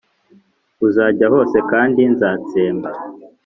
Uzajya hose kandi nzatsemba